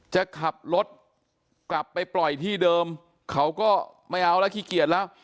จะขับรถกลับไปปล่อยที่เดิมเขาก็ไม่เอาแล้วขี้เกียจแล้ว